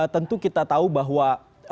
tentu kita tahu bahwa